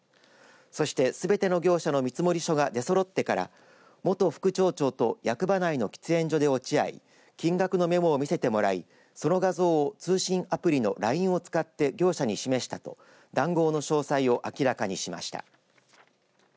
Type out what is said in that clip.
そしてすべての業者の見積もり書が出そろってから元副町長と役場内の喫煙所で落ち合い金額のメモを見せてもらいその画像を通信アプリのＬＩＮＥを使って業者に示したと談合の詳細を明らかにしました。